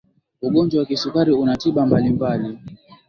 ugonjwa wa kisukari una tiba mbalimbali